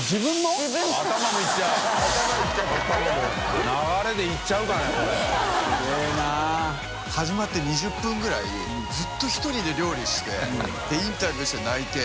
垢欧Г福複庁腺稗韮蓮始まって２０分ぐらいずっと１人で料理してインタビューして泣いて。